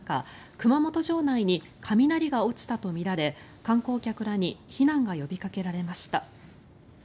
熊本城内に雷が落ちたとみられ観光客らに避難が呼びかけられました。